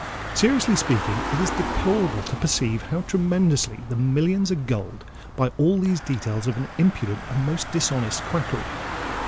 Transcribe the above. Seriously speaking, it is deplorable to perceive how tremendously the millions are gulled by all these details of an impudent and most dishonest quackery.